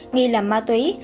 nghi là ma túy